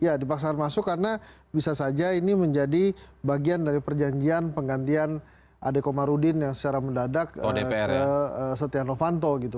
ya dipaksakan masuk karena bisa saja ini menjadi bagian dari perjanjian penggantian adekomarudin yang secara mendadak ke setia novanto gitu